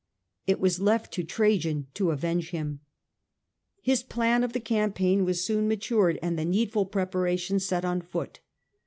It was left to Trajan to avenge him. His plan of the campaign was soon matured, and the needful Trajnn preparations set on foot.